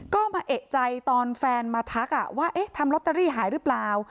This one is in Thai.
ก็มาเอกใจตอนแฟนมาทักว่าทำลอตเตอรี่หายหรือเปล่า